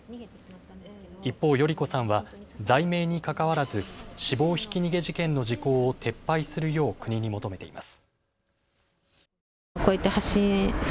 一方、代里子さんは罪名にかかわらず死亡ひき逃げ事件の時効を撤廃するよう国に求めています。